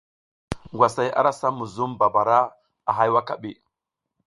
Ngwasay ara sam muzum babara a hay wakaɓi.